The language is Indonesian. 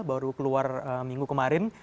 baru keluar minggu kemarin